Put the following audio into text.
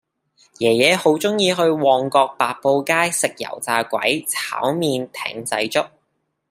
爺爺好鍾意去旺角白布街食油炸鬼炒麵艇仔粥